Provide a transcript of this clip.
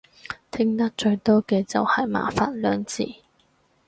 聽得最多嘅就係麻煩兩字